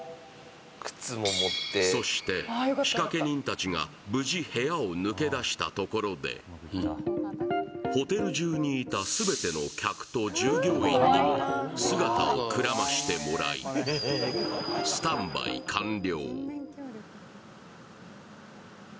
そして仕掛け人たちが無事、部屋を抜け出したところでホテル中にいた全ての客と従業員にも姿をくらましてもらい、スタンバイ完了。